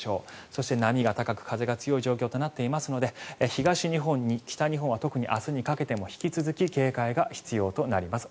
そして波が高く風が強い状況となっていますので東日本、北日本は特に明日にかけても引き続き警戒が必要となります。